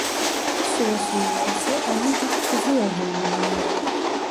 Bir süre sonra ise onun bir kızı olduğunu anlar.